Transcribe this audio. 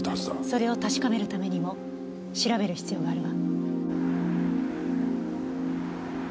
それを確かめるためにも調べる必要があるわ。